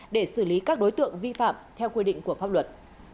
để xử lý các đối tượng vi phạm theo quy định của pháp luật